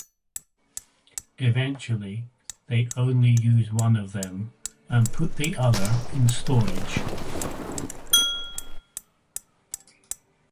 Eventually they only used one of them and put the other in storage.